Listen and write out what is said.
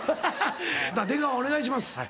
出川お願いします。